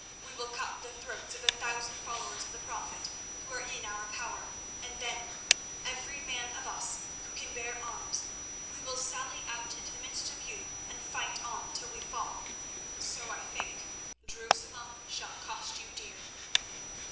We will cut the throats of the five thousand followers of the Prophet who are in our power, and then, every man of us who can bear arms, we will sally out into the midst of you and fight on till we fall. So I think Jerusalem shall cost you dear."